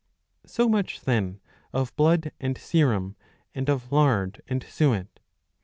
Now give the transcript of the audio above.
^ So much then of blood and serum, and of lard and suet.